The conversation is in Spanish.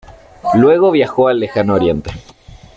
Luego viajó al Lejano Oriente.